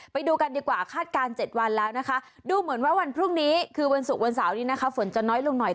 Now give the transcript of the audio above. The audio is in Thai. ไปดูกันดีกว่าคาดการณ์๗วันแล้วนะคะดูเหมือนว่าวันพรุ่งนี้คือวันศุกร์วันเสาร์นี้นะคะฝนจะน้อยลงหน่อย